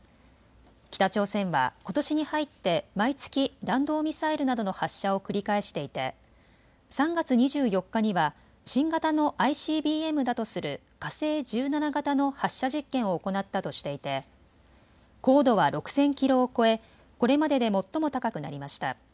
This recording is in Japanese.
北朝鮮はことしに入って毎月弾道ミサイルなどの発射を繰り返していて３月２４日には新型のＩＣＢＭだとする火星１７型の発射実験を行ったとしていて高度は６０００キロを超えこれまでで最も高くなりました。